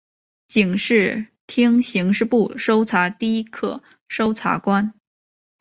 警视厅刑事部搜查第一课搜查官。